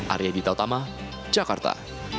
arya dita utama jakarta